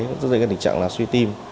rất là nhiều tình trạng là suy tim